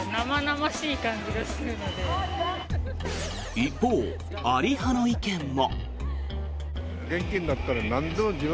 一方、あり派の意見も。